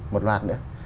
một loạt nữa